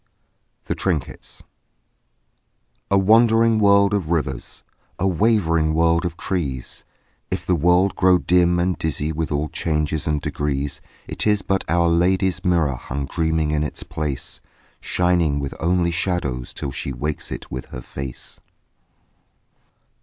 THE TRINKETS A wandering world of rivers, A wavering world of trees, If the world grow dim and dizzy With all changes and degrees, It is but Our Lady's mirror Hung dreaming in its place, Shining with only shadows Till she wakes it with her face.